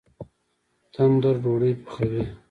تندور ډوډۍ پخوي